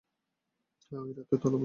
হ্যাঁ, ঐ রাতে তালাবন্ধ ছিল।